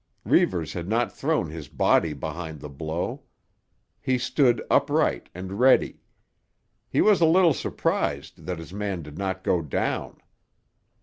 Reivers had not thrown his body behind the blow. He stood upright and ready. He was a little surprised that his man did not go down.